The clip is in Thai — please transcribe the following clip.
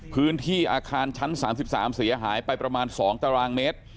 พื้นที่อาคารชั้น๓๓เสียหายไปประมาณ๒ตารางเมตร